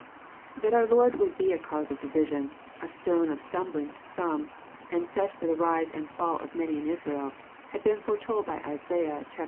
That our Lord would be a cause of division — a stone of stum bling to some, and set for the rise and fall of many in Israel — ^had been foretold by Isaiah, viii.